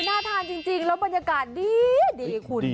น่าทานจริงแล้วบรรยากาศดีคุณ